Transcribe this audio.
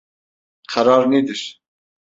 Karar nedir?